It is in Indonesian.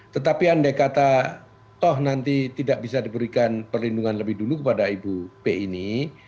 tetapi andai kata toh nanti tidak bisa diberikan perlindungan lebih dulu kepada ibu p ini